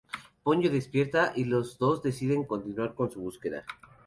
Ponyo despierta y los dos deciden continuar con su búsqueda.